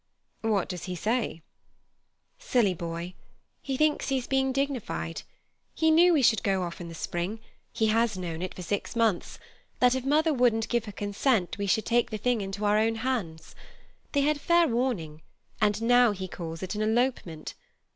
"What does he say?" "Silly boy! He thinks he's being dignified. He knew we should go off in the spring—he has known it for six months—that if mother wouldn't give her consent we should take the thing into our own hands. They had fair warning, and now he calls it an elopement.